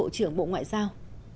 trưởng bộ ngoại giao